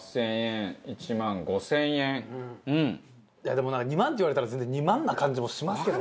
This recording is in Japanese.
でも２万って言われたら２万な感じもしますけどね。